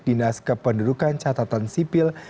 dinas kependudukan catatan sipil